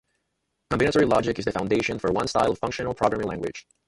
Combinatory logic is the foundation for one style of functional programming language.